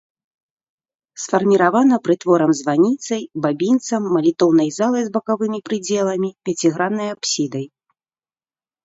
Сфарміравана прытворам-званіцай, бабінцам, малітоўнай залай з бакавымі прыдзеламі, пяціграннай апсідай.